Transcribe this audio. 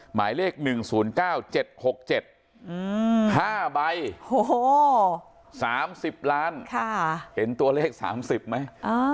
หมายเลข๑๐๙๗๖๗๕ใบ๓๐ล้านเห็นตัวเลข๓๐ไหม